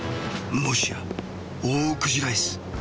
もしやオオクジライス？